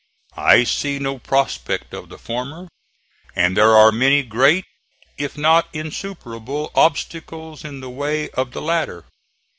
I see no prospect of the former, and there are many great, if not insuperable obstacles in the way of the latter.